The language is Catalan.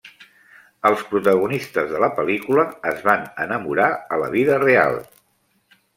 Els protagonistes de la pel·lícula es van enamorar a la vida real.